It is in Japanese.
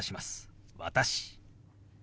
「私」。